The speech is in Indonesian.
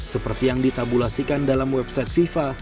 seperti yang ditabulasikan dalam website fifa